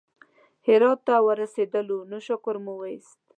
هرات ته ورسېدلو نو شکر مو وایست.